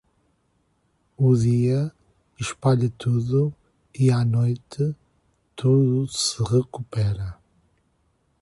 O dia, espalha tudo, e à noite, tudo se recupera.